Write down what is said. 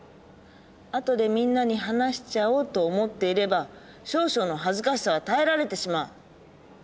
「あとでみんなに話しちゃお」と思っていれば少々の恥ずかしさは耐えられてしまう。